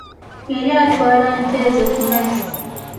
Yali atwala nte zze ku mazzi.